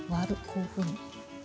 こういうふうに。